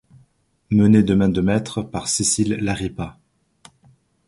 Menée de main de maître par Cécile Larripa.